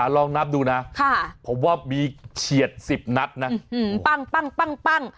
ลองนับดูนะผมว่ามีเฉียด๑๐นัดนะปั้ง